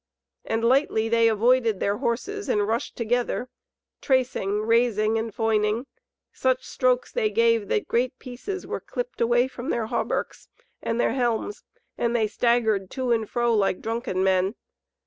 And lightly they avoided their horses and rushed together, tracing, rasing, and foining. Such strokes they gave that great pieces were clipped away from their hauberks, and their helms, and they staggered to and fro like drunken men.